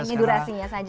hanya durasinya saja ya